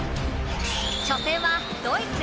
初戦はドイツ。